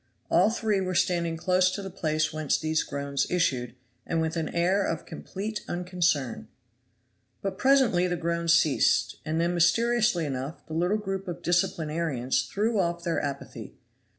All three were standing close to the place whence these groans issued, and with an air of complete unconcern. But presently the groans ceased, and then mysteriously enough the little group of disciplinarians threw off their apathy.